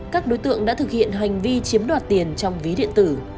các đối tượng đã thực hiện hành vi chiếm đoạt tiền trong ví điện tử